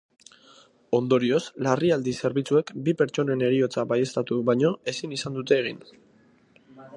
Ondorioz, larrialdi zerbitzuek bi pertsonen heriotza baieztatu baino ezin izan dute egin.